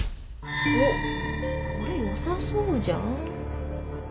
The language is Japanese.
おっこれよさそうじゃん。